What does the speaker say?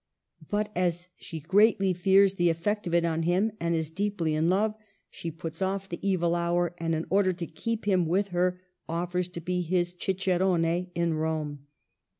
But as she greatly fears the effect of it on him, and is deeply in love, she puts off the evil hour, and, in order to keep him with her, offers to be his cicerone in Rome.